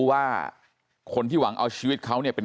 ทำให้สัมภาษณ์อะไรต่างนานไปออกรายการเยอะแยะไปหมด